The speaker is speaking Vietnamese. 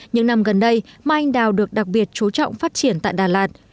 những năm gần đây mai anh đào được đặc biệt chú trọng phát triển tại đà lạt